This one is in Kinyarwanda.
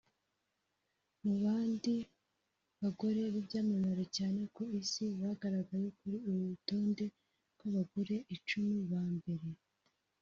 Mu bandi bagore b’ibyamamare cyane ku isi bagaragaye kuri uru rutonde rw’abagore icumi ba mbere